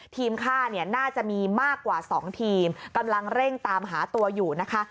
ฆ่าเนี่ยน่าจะมีมากกว่า๒ทีมกำลังเร่งตามหาตัวอยู่นะคะ